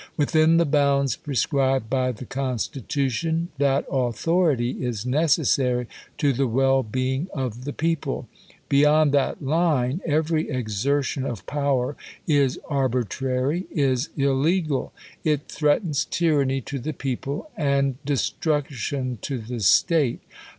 ^ Within tiie bounds prescribed by the constitution, that authority is necessary to the well being of the people : beyond that line, every exertion of poxver is arbitrary, is ille gal ; it threatens tyranny to the people, and destruc tion to the state.